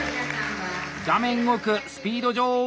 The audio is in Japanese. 画面奥「スピード女王」